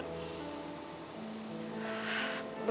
karena boy aku mau bener bener